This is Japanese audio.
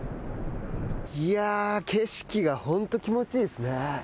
いや、景色が本当気持ちいいですね。